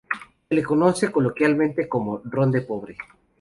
Se le conoce coloquialmente como "ron de pobre".